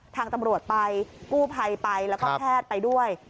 ทางตำรวจไปกู้ภัยไปแล้วก็แพทย์ไปด้วย